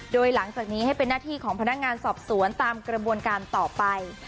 โดยหลังจากนี้ให้เป็นหน้าที่ของพนักงานสอบสวนตามกระบวนการต่อไป